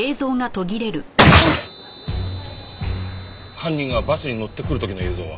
犯人がバスに乗ってくる時の映像は？